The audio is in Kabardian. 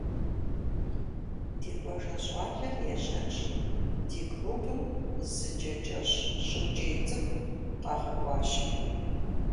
Ди къуажэ щӏалэр ежэнщ ди клубым зы кӏэ кӏэщӏ щӏыкӏей цӏыкӏу къагъэкӏуащи.